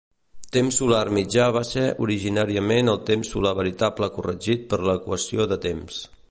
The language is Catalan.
Temps solar mitjà va ser originalment el temps solar veritable corregit per l'equació de temps.